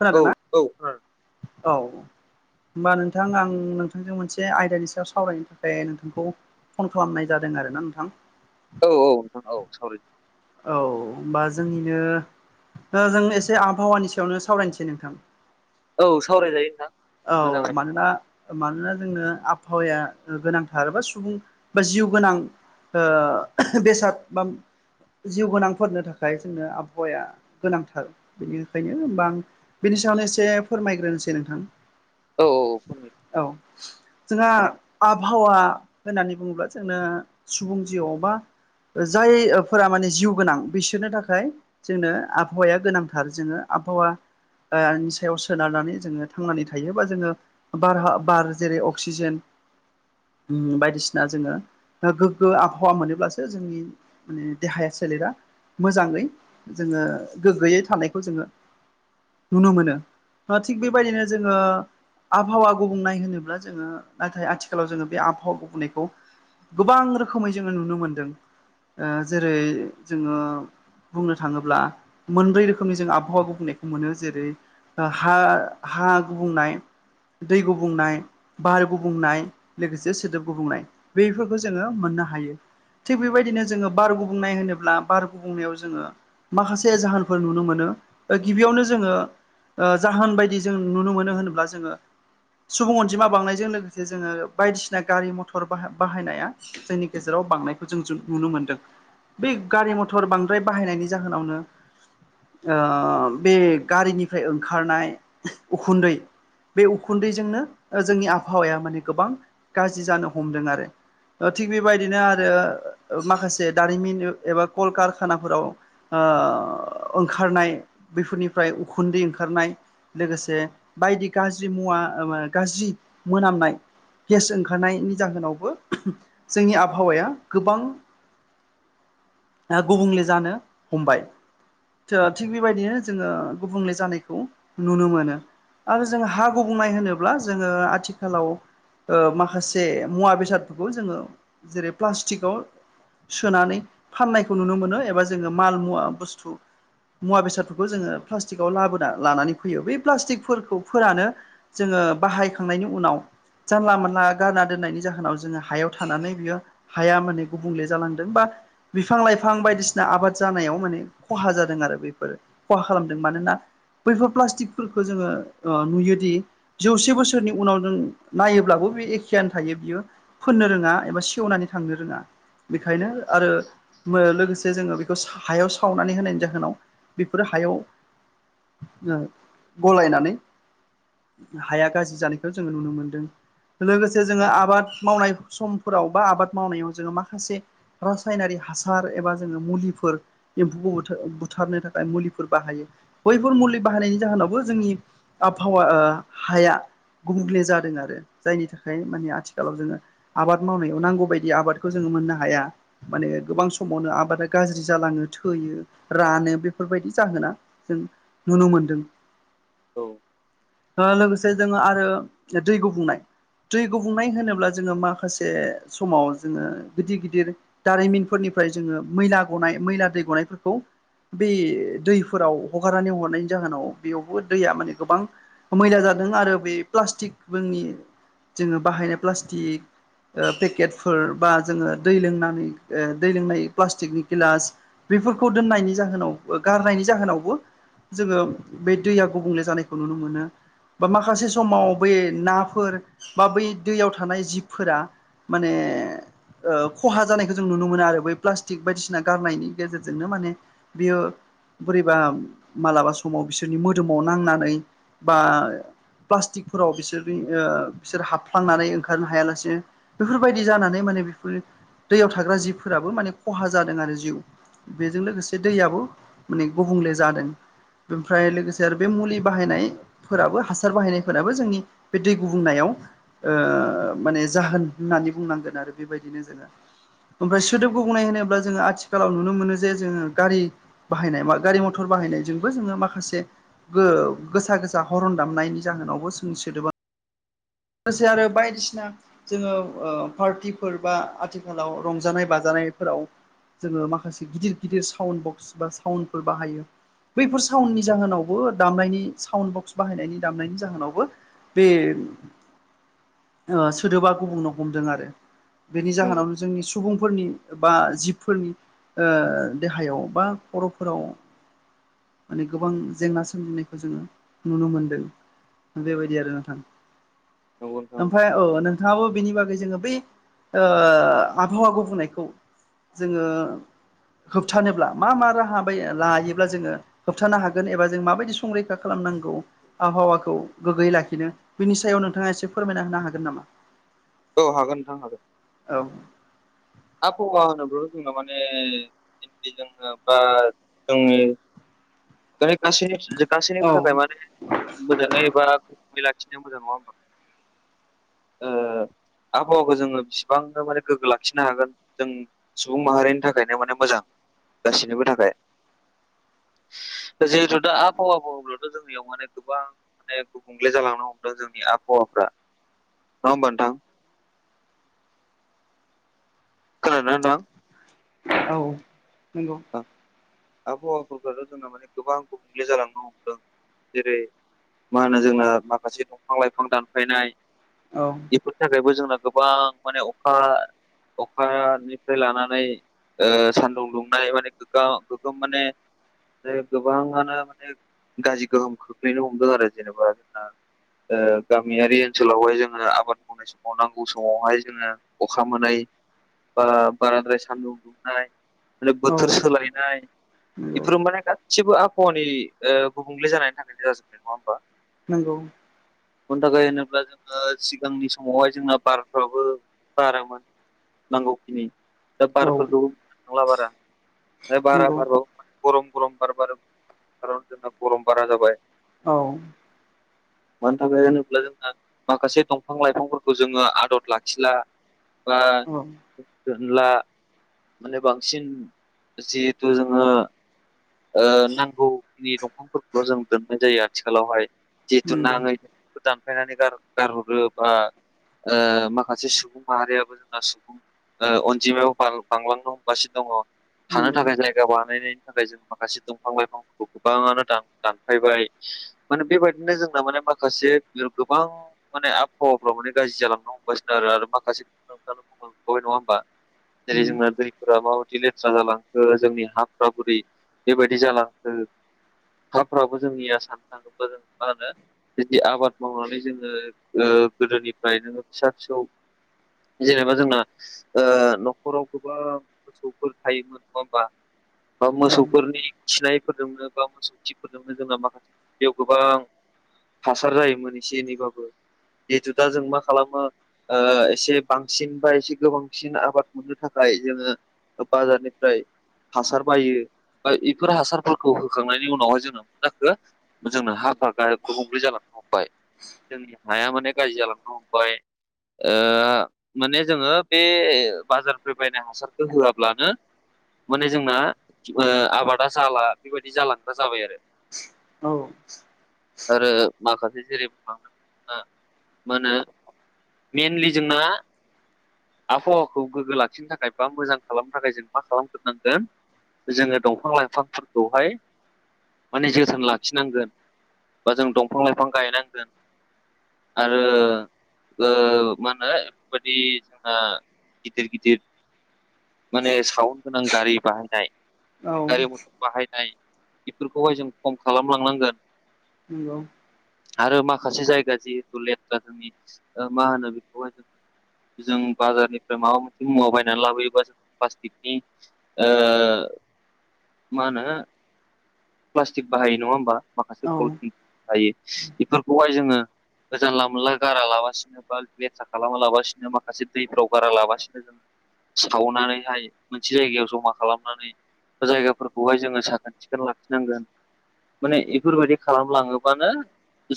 खोनादोंना औ औ खोनादों औ होमबा नोंथां आं नोंथांजों मोनसे आयदानि सायाव सावरायनो थाखाय नोंथांखौ फन खालामनाय जादों आरोना नोंथां। औ औ नोंथां औ सावराय औ होमबा जोंनिनो दा जों एसे आबहावानि सायावनो सावरायनोसै नोंथां। औ सावरायजायो नोंथां। मोजां औ आयदा मानोना मानोना जोंङनो आबहावाया गोनांथार बा सुबुं बा जिउ गोनां ओ बेसाद बा जिउ गोनांफोरनो थाखाय जोंनो आबहावाया गोनांथार बिनिखायनो बां बिनि सायावनो एसे फोरमायग्रोनोसै नोंथां औ औ फोरमाय औ जोंहा आबहावा होननानै बुङोब्ला जोंनो सुबुं जिउआव बा जायफोरा माने जिउ गोनां बिसोरनि थाखाय जोंनो आबहावाया गोनांथार जोङो आबहावा नि सायाव सोनारनानै जोङो थांनानै थ थायोबा जोङो बार बार जेरै अक्सिजेन उम बायदिसिना जोङो दा गोग्गो आबहावा मोनोब्लासो जोंनि माने देहाया सोलेरा मोजाङै जोङो गोग्गोयै थानायखौ जोङो नुनो मोनो थिग बेबायदिनो जोङो आबहावा गुबुंनाय होनोब्ला जोङो नाथाय आथिखालाव जोङो बे आबहावा गुबुंनायखौ गोबां रोखोमै जोङो नुनो मोनदों ओ जेरै जोङो बुंनो थाङोब्ला मोनब्रै रोखोमनि जों आबहावा गुबुंनायखौ मोनो जेरै हा हा गुबुंनाय दै गुबुंनाय बार गुबुंनाय लोगोसे सोदोब गुबुंनाय बेफोरखौ जोङो मोननो हायो। थिग बेबायदिनो जोङो बार गुबुंनाय होनोब्ला बार गुबुंनायाव जोङो माखासे जाहोनफोर नुनो मोनो ओ गिबियावनो जोङो ओ जाहोन बायदि जों नुनो मोनो होनोब्ला जोङो सुबुं अनजिमा बांनायजों लोगोसे जोङो बायदिसिना गारि मथर बा-बाहायनाया जोंनि गेजेराव बांनायखौ जों जों नुनो मोनदों। बै गारि मथर बांद्राय बाहायनायनि जाहोनावनो ओ बे गारिनिफ्राय ओंखारनाय उखुन्दै बे उखुन्दैजोंनो ओ जोंनि आबहावाया माने गोबां गाज्रि जानो हमदों आरो। ओ थिग बेबायदिनो आरो उ माखासे दारिमिन एबा कलकारखानाफोराव ओ ओंखारनाय बेफोरनिफ्राय उखुन्दै ओंखारनाय लोगोसे बायदि गाज्रि मुवा ओवो गाज्रि मोनामनाय गेस ओंखारनायनि जाहोनावबो जोंनि आबहावाया गोबां ओ गुबुंले जानो हमबाय। थ थिग बेबायदिनो जोङो गुबुंले जानायखौ नुनो मोनो। आरो जों हा गुबुंनाय होनोब्ला जोङो आथिखालाव ओ माखासे मुवा बेसादफोरखौ जोङो जेरै प्लास्टिकआव सोनानै फाननायखौ नुनो मोनो एबा जोङो माल मुवा बुस्थु मुवा बेसादफोरखौ जोङो प्लास्टिकआव लाबोना लानानै फैयो। बे प्लास्टिकफोरखौ फोरानो जोङो बाहायखांनायनि उनाव जानला मोनला गारना दोननायनि जाहोनाव जोङो हायाव थानानै बियो हाया माने गुबुंले जालांदों बा बिफां लाइफां बायदिसिना आबाद जानायाव माने खहा जादों आरो बेफोरो। खहा खालामदों मानोना बैफोर प्लास्टिकफोरखौ जोङो ओ नुयोदि जौसे बोसोरनि उनाव जों नायोब्लाबो बे एखेयानो थायो बियो फोननो रोङा एबा सेवनानै थांनो रोंआ। बिखायनो औ आरो मो लोगोसे जोङो बेखौ साह हायाव सावनानै होनायनि जाहोनाव बेफोरो हायाव ओ गलायनानै हाया गाज्रि जानायखौ जोङो नुनो मोनदों। लोगोसे जोङो आबाद मावनाय समफोराव बा आबाद मावनायाव जोङो माखासे रासायनारि हासार एबा जोङो मुलिफोर एम्फौखौ बुथार बुथारनो थाखाय मुलिफोर बाहायो बैफोर मुलि बाहायनायनि जाहोनावबो जोंनि आबहावा ओ हाया गुबुंले जादों आरो जायनि थाखाय माने आथिखालाव जोङो आबाद मावनायाव नांगौ बायदि आबादखौ जोङो मोननो हाया। माने गोबां समावनो आबादा गाज्रि जालाङो, थैयो, रानो बेफोरबायदि जाहोना जों नुनो मोनदों। औ ओ लोगोसे जोङो आरो दै गुबुंनाय दै गुबुंनाय होनोब्ला जोङो माखासे समाव जोङो गिदिर गिदिर दारिमिनफोरनिफ्राय जोङो मैला गनाय मैला दै गनायफोरखौ बे दैफोराव हगारनानै हरनायनि जाहोनाव बेयावबो दैया माने गोबां मैला जादों आरो बे प्लास्टिक फोरनि जोङो बाहायनाय प्लास्टिक ओ पेकेटफोर बा जोङो दै लोंनानै ओ दै लोंनाय प्लास्टिकनि गिलास बेफोरखौ दोननायनि जाहोनाव बो गारनायनि जाहोनाव बो जोङो बे दैया गुबुंले जानायखौ नुनो मोनो बा माखासे समाव बै नाफोर बा बै दैयाव थानाय जिबफोरा माने ओ खहा जानायखौ जों नुनो मोनो आरो बै प्लास्टिक बायदिसिना गारनायनि गेजेरजोंनो माने बेयो बोरैबा मालाबा समाव बिसोरनि मोदोमाव नांनानै बा प्लास्टिकफोराव बिसोरनि बिसोर हाबफ्लांनानै ओंखारनो हायालासेनो बेफोरबायदि जानानै माने बेफोर दैयाव थाग्रा जिफोराबो माने खहा जादों आरो जिउ बेजों लोगोसे दैयाबो माने गुबुंले जादों बेओमफ्राय लोगोसे आरो बे मुलि बाहायनाय फोराबो हासार बाहायनायफोराबो जोंनि बे दै गुबुंनायाव माने जाहोन होननानै बुंनांगोन आरो बेबायदिनो जोङो ओमफ्राय सोदोबखौ होनोब्ला आथिखालाव नुनो मोनो जे जोङो गारि बाहायनाय मा गारि मथर बाहायनाय जों जो माखासे गो गोसा हरन दामनायनि जाहोनावबो जों सोदोबा लोगोसे आरो बायदिसिना जोङो ओ पार्टिफोर बा आथिखालाव रंजानाय बाजानायफोराव जोङो माखासे गिदिर गिदिर साउन्ड बक्स बा साउन्डफोर बाहायो बैफोर साउडनि जाहोनावबो दामनायनि साउन्ड बक्स बाहायनायनि दामनायनि जाहोनावबो बे सोदोबा गुबुनाव हमदों आरो बेनि नंगौ जाहोनाव जोंनि सुबुंफोरनि बा जिबफोरनि ओ देहायाव बा खर'फोराव माने गोबां जेंना सोमजिनायखौ जोङो नुनो मोनदों बेबायदि आरो नोंथां नंगौ ओमफ्राय नोंथां औ नोंथाङाबो बिनि बागै जोङो बै आबहावा गुबुंनायखौ जोङो होबथानोब्ला मा मा राहा बायो लायोब्ला जोङो होबथानो हागोन एबा जों माबायदि संरैखा खालामनांगौ आबहावाखौ गोग्गोयै लाखिनो बिनि सायाव नोंथाङा एसे फोरमायना होनो हागोन नामा औ हागोन नोंथां हागोन औ आबहावा होनोब्लाथ' जोङो माने बिबादि जों बा जोंनि बे खासिनि खासिनि औ बो थाखाय मानो मोजाङै एबा लाखिनाया मोजां नङा होमबा ओ आबहावाखौ जोङो बिसिबांनो माने गोग्गो लाखि नो हागोन जों सुबुं माहारिनि थाखायनो माने मोजां गाससिनिबो थाखाय जिहेथु दा आबहावा बुङोब्लाथ' जोंनियाव माने गोबां माने गुबुंगले जालांनो हमदों जोंनि आबहावाफ्रा नङा होमबा नोंथां खोनादोंना नोंथां औ नंगौ नोंथां? आबहावाफोरखौथ' जोंना गोबां गुबुंले जालांनो हमदों जेरै मा होनो जोंना माखासे दंफां -लाइफां दानफायनाय औ बेफोरनि थाखायबो जोंना गोबां माने अखा अखानिफ्राय लानानै ओ सान्दुं दुं माने गो गगा गोगोम माने गोबाङ मानो माने गाज्रि गोहोम खोख्लैनो हमदों आरो जेनेबा जोंना ओ गामियारि ओनसोलावहाय जोङो आबाद मावनाय समाव नांगौ समावहाय जोङो अखा मोनै बा बाराद्राय माने औ बोथोर सोलायनाय नंगौ बेफोरो माने गासिबो आबहावानि गुबुंले जानायनि थाखायनो जाजोबनाय नङा होमबा नंगौ बेनि थाखाय होनोब्ला जोङो सिगांनि समावहाय जोंना बारफ्राबो बारामोन नांगौखिनि दा औ बारफोरखौ‌बो नुनो थांला बारा बारा नंगौ बारबाबो गरम गरम बार बारो कारन जोंना गरम बारा जाबाय औ [inaudible] मानो थाखाय होनोब्ला जोंना माखासे दंफां लाइफांफोरखौ जोङो आदर लाखिला ला औ दोनला माने बांसिन जिहेथु जोङो ओ नांगौखिनि दंफांफोरखौल' जों दोननाय जायो आथिखालावहाय जिहेथु नंगौ नाङै दानफायनानै गारहरो बा ओ माखासे सुबुं माहारियाबो जोंना सुबुं ओ अनजिमायाव बांलांनो दङ नंगौ थाखाय जायगा बानायनायनि थाखाय जों माखासे दंफां लाइफांफोरखौ गोबाङानो दा-दानफायबाय माने बेबायदिनो जोंना माने माखासे गोबां माने आबहावाफ्रा अनेग गाज्रि जालांनो हमगासिनो आरो माखासे मोनबाय नङा होमबा जेरै उम जोंना दैफोरा माबायदि लेथ्रा जालांखो जोंनि हाफ्रा बोरै बेबायदि जालांखो [unintelligible] फ्राबो जोंनिया सान थाङोबा जों मा होनो बिदि आबाद मावनानै जोङो ओ गोदोनिफ्रायनो फिसा फिसौ जेनेबा जोंना ओ नखराव गोबां मोसौफोर थायोमोन नङा होमबा बा औ मोसौ नि खिनायफोरजोंनो बा मोसौ खिफोरजोंनो जोंना माखासे बेयाव गोबां हासार जायोमोन एसे एनैबाबो जिहेथु दा जों मा खालामो एसे बांसिन बा एसे गोबांसिन आबाद मोननो थाखाय जोङो बाजारनिफ्राय हासार बायो बा इफोर हासारफोरखौ होखांनायनि उनावहाय जोङो मा जाखो जोंनो हाफोरा डायरेक गुबुंले जालांनो हमबाय जोंनि हाया माने गाज्रि जालांनो हमबाय ओ माने जोङो बे बाजारनिफ्राय बायनाय हासारखौ होआब्लानो माने जोंना ओ आबादा जाला बेबायदि जालांग्रा जाबाय आरो औ आरो माखासे जेरै [unintelligible] मा होनो मेनलि जोंना आबहावाखौ गोग्गो लाखिनो थाखाय बा मोजां खालामनो थाखाय जों मा खालामग्रोनांगोन जोङो दंफां लाइफांफोरखौहाय माने जोथोन लाखिनांगोन बा जों दंफां लाइफां गायनांगोन आरो ओ मा होनो एफोरबायदि ओ गिदिर गिदिर माने साउन गोनां गारि बाहायनाय औ गारि मथर बाहायनाय बेफोरखौहाय जों खम खालामलांनांगोन नोंगौ आरो माखासे जायगा जिहेतु लेथ्रा जोंनि मा होनो बेखौहाय जोङो जों बाजारनिफ्राय माबा मोनसे मुवा बायनानै लाबोयोबा जों प्लास्टिकनि ओ मा होनो प्लास्टिक बाहायो नङा होमबा माखासे औ पटिंनि थायो बेफोरखौहाय जोङो जानला मोनला गारा‌ लााबासिनो बा लेथ्रा खालामा लागासिनो माखासे दैफ्राव गारा लागासिनो जों सिथावनानैहाय मोनसे जायगायाव जमा खालामनानै जायगाफोरखौहाय जोङो साखोन सिखोन लाखिनांगोन माने बेफोरबायदि खालामलाङोबानो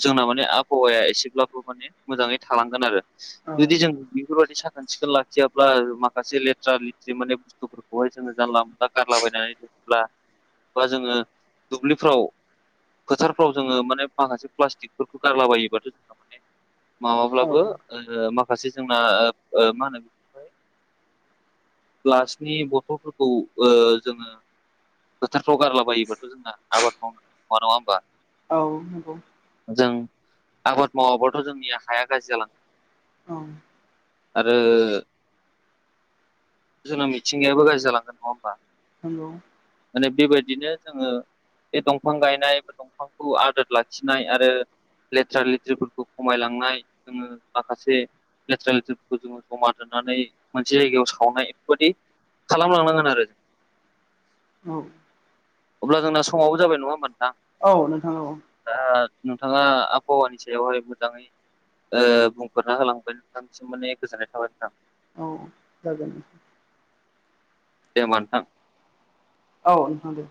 जोंना माने आबहावाया एसेब्लाबो माने मोजाङै थालांगोन आरो जुदि औ जों बिफोरबायदि सान सिखोन लाखियाब्ला माखासे लेथ्रा लेथ्रि माने बुस्थुफोरखौहाय जोङो जानला मोनला गारलाबायनानै अबा अब्ला जोङो दुब्लिफ्राव फोथारफ्राव जोङो माने माखासे प्लास्टिकफोरखौ गारलाबायोबाथ' जोंहा माने माबाब्लाबो औ ओ माखासे जोंना ओ ओ मा होनो बेखौहाय ग्लासनि बथलफोरखौ ओ जोङो फोथारफ्राव गारलाबायोबाथ' जोंना आबाद मावनो नङा नङा होमबा औ नंगौ जों आबाद मावाबाथ' जोंनि हाया गाज्रि जालङो औ आरो जोंना मिथिंगायाबो गाज्रि जालांगोन नङा होमबा नंगौ माने बेबायदिनो जोङो बे दंफां गायनाय बा दंफांखौ आदोर लाखिनाय आरो लेथ्रा लेथ्रि फोरखौ खमायलांनाय जोङो माखासे लेथ्रा लेथ्रि फो खौ जोङो जमा दोननानै जायगायाव सावनाय बेफोरबायदि खालामलांनांगोन आरो [inaudible] औ अब्ला जोंना समाबो जाबाय नङा होनबा नोंथां औ नोंथां औ दा नोंथाङा आबहावानि सायावहाय मोजाङै ओ बुंफोरना होलांबाय नोंथांसिम माने गोजोननाय थाबाय नोंथां औ जागोन दे होमबा नोंथां औ नोंंथां दे